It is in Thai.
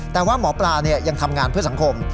แต่ว่าหมอปลายังทำงานเพื่อสังคม